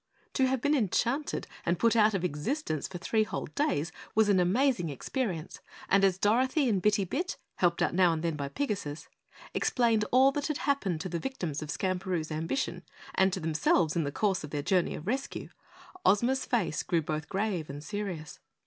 To have been enchanted and put out of existence for three whole days was an amazing experience, and as Dorothy and Bitty Bit, helped out now and then by Pigasus, explained all that had happened to the victims of Skamperoo's ambition and to themselves in the course of their journey of rescue, Ozma's face grew both grave and serious.